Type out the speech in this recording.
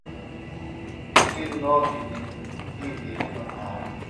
تھی نوۡ گِھنیۡ می بیۡ ہِنوۡ نعرہ۔